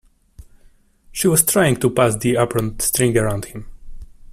She was trying to pass the apron string around him.